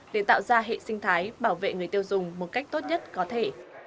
để tạo ra hệ sinh thái bảo vệ người tiêu dùng một cách tốt nhất có thể